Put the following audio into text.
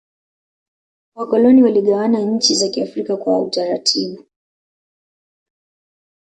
wakoloni waligawana nchi za kiafrika kwa utaratibu